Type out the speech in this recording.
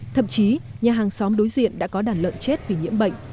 thậm chí nhà hàng xóm đối diện đã có đàn lợn chết vì nhiễm bệnh